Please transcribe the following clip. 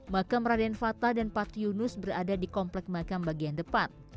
makam raden fata dan pati yunus berada di komplek makam bagian depan